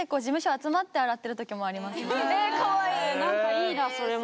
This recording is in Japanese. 何かいいなそれも。